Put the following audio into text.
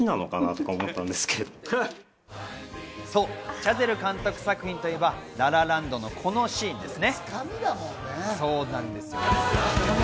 チャゼル監督作品といえば『ラ・ラ・ランド』のこのシーンですね。